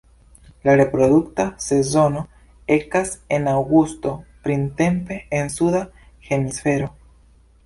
La reprodukta sezono ekas en aŭgusto, printempe en Suda Hemisfero.